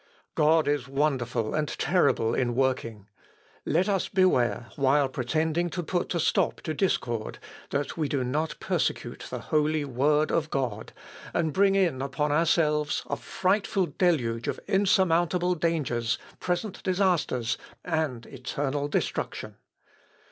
God is wonderful and terrible in working: let us beware, while pretending to put a stop to discord, that we do not persecute the holy Word of God, and bring in upon ourselves a frightful deluge of insurmountable dangers, present disasters, and eternal destruction....